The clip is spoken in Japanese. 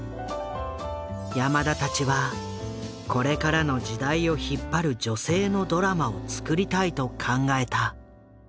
山田たちはこれからの時代を引っ張る女性のドラマを作りたいと考えた。